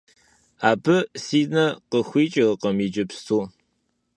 Абы си нэ къыхуикӀыркъым иджыпсту.